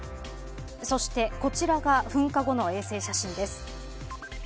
そして、こちらが噴火後の衛星写真です。